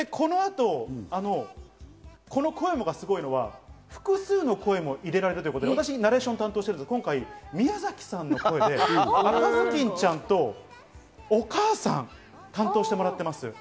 この後、このｃｏｅｍｏがすごいのは、複数の声を入れられるということで、私がナレーションを担当して宮崎さんの声で赤ずきんちゃんとお母さん、担当してもらっています。